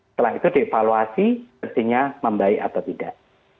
setelah itu devaluasi pastinya membaik atau tidak